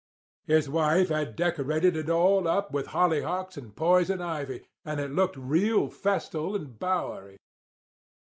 His wife had decorated it all up with hollyhocks and poison ivy, and it looked real festal and bowery.